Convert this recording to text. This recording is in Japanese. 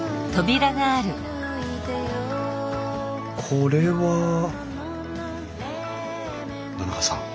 これは野中さん